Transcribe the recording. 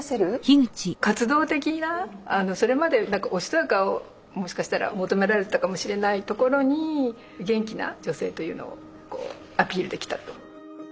活動的なそれまでおしとやかをもしかしたら求められてたかもしれないところに元気な女性というのをアピールできたと。